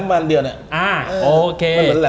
อ่ะโอเค